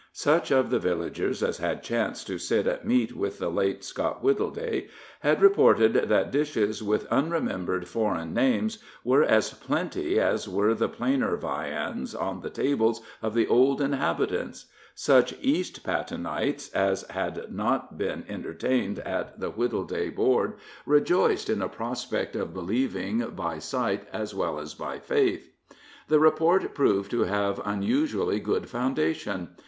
Such of the villagers as had chanced to sit at meat with the late Scott Wittleday, had reported that dishes with unremembered foreign names were as plenty as were the plainer viands on the tables of the old inhabitants; such East Pattenites as had not been entertained at the Wittleday board rejoiced in a prospect of believing by sight as well as by faith. The report proved to have unusually good foundation.